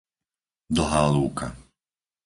Dlhá Lúka